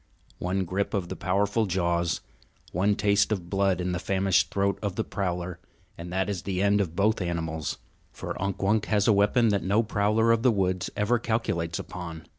One grip of the powerful jaws, one taste of blood in the famished throat of the prowler and that is the end of both animals. For Unk Wunk has a weapon that no prowler of the woods ever calculates upon.